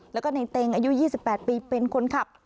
แล้วก็ในเต็งอายุ๒๘ปีเป็นคนขับ